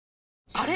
あれ？